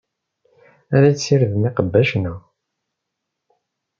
Ad tessirdem iqbac, naɣ?